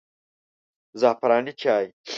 زعفراني چای